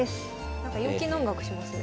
なんか陽気な音楽しますね。